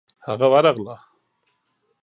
هغه ورغله.